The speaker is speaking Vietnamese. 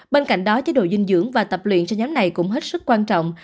bên cạnh đó chế độ dinh dưỡng và tập luyện cho nhóm này cũng hết sức quan trọng